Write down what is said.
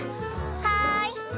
はい。